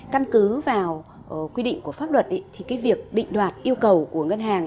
căn cứ vào quy định của pháp luật thì cái việc định đoạt yêu cầu của ngân hàng